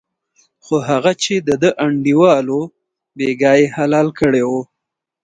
خو هغه چې دده انډیوال و بېګا یې حلال کړی و.